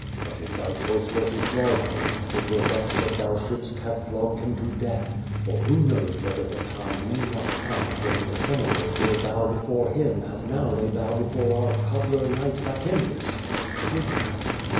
But if thy choice were to flog him, it were best that thou shouldst have flogged him to death, for who knows whether the time may not come when the Senators will l)ow before him as now they bow before our cobbler knight, Vatinius. Good night."